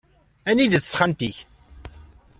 Anida-tt texxamt-ik?